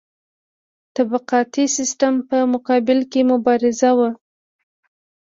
طبقاتي سیستم په مقابل کې مبارزه وه.